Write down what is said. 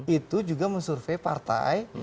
itu juga men survey partai